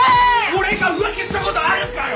俺が浮気したことあるかよ。